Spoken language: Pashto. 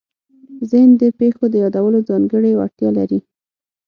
ذهن د پېښو د یادولو ځانګړې وړتیا لري.